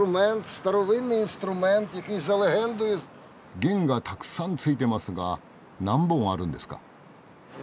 弦がたくさんついてますが何本あるんですか？